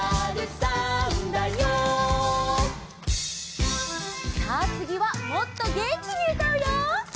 さあつぎはもっとげんきにうたうよ！